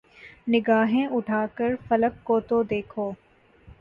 نگاھیں اٹھا کر فلک کو تو دیکھو